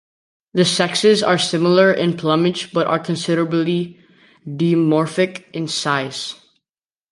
The sexes are similar in plumage but are considerably dimorphic in size.